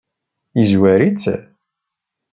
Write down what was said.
Yezwar-itt?